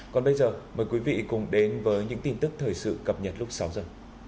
còn bây giờ mời quý vị cùng đến với những tin tức thời sự cập nhật lúc sáu giờ